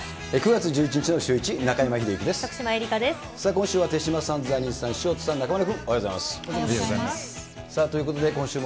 ９月１１日のシューイチ、徳島えりかです。